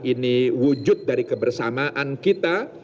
ini wujud dari kebersamaan kita